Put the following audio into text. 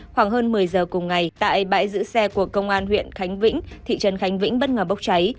khoảng hơn một mươi giờ cùng ngày tại bãi giữ xe của công an huyện khánh vĩnh thị trấn khánh vĩnh bất ngờ bốc cháy